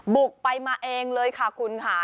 บุกไปมาเองเลยค่ะคุณค่ะ